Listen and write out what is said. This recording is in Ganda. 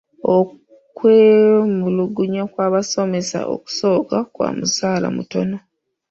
Okwemulugunya kw'abasomesa okusooka kwa musaala mutono.